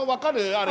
あれ。